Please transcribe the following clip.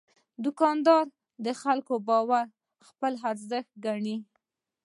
دوکاندار د خلکو باور خپل ارزښت ګڼي.